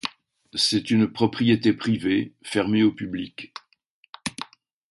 C'est une propriété privée, fermée au public.